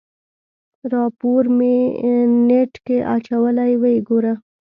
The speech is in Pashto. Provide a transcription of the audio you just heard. راپور مې نېټ کې اچولی ويې ګوره.